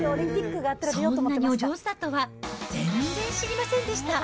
そんなにお上手だったとは全然知りませんでした。